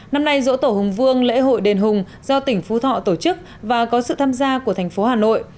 năm nay dỗ tổ hùng vương lễ hội đền hùng do tỉnh phú thọ tổ chức và có sự tham gia của thành phố hà nội